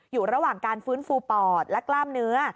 อยู่ระหว่างการฟื้นฟูปอดและกล้ามเนื้อ